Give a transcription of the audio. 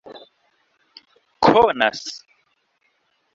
konas